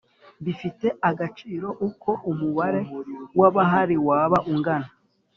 Bifite agaciro uko umubare w abahari waba ungana